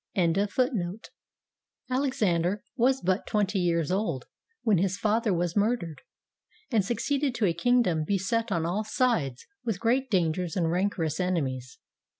] BY PLUTARCH Alexander was but twenty years old when his father was murdered, and succeeded to a kingdom beset on all sides with great dangers and rancorous enemies.